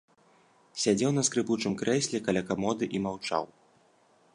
Сядзеў на скрыпучым крэсле каля камоды і маўчаў.